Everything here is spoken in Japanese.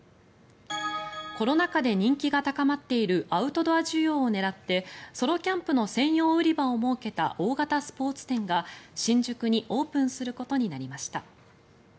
コロナ禍で人気が高まっているアウトドア需要を狙ってソロキャンプの専用売り場を設けた大型スポーツ店が新宿にオープンすることになりました。